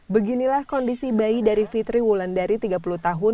beginilah kondisi bayi dari fitri wulandari tiga puluh tahun